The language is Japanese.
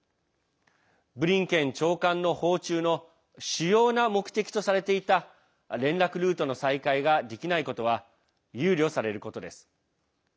ブリンケン長官の訪中の主要な目的とされていた連絡ルートの再開ができないことは憂慮されることです。